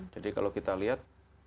jadi kalau kita lihat